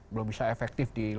belum bisa efektif di